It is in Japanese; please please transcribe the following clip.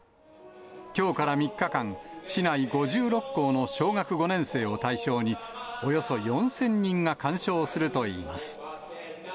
きょうから３日間、市内５６校の小学５年生を対象に、およそ４０００人が鑑賞するといいます。